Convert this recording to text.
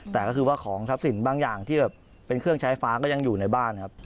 แต่ก็คือว่าของทรัพย์สินบางอย่างที่แบบเป็นเครื่องใช้ฟ้าก็ยังอยู่ในบ้านครับ